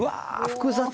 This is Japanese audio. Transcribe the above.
複雑。